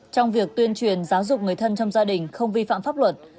trong việc tuyên truyền giáo dục người thân trong gia đình không vi phạm pháp luật